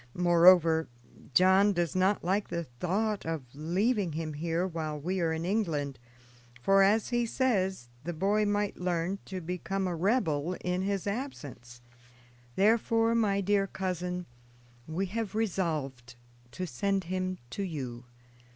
Moreover, John does not like the thought of leaving him here while we are in England; for, as he says, the boy might learn to become a rebel in his absence; therefore, my dear cousin, we have resolved to send him to you.